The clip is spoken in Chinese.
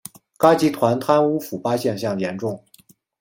该集团贪污腐败现象严重。